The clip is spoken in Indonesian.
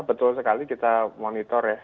betul sekali kita monitor ya